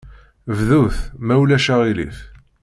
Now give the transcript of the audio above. Bdut, ma ulac aɣilif.